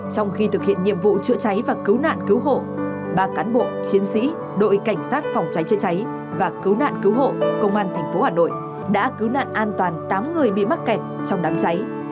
trong khi thực hiện nhiệm vụ chữa cháy và cứu nạn cứu hộ ba cán bộ chiến sĩ đội cảnh sát phòng cháy chữa cháy và cứu nạn cứu hộ công an tp hà nội đã cứu nạn an toàn tám người bị mắc kẹt trong đám cháy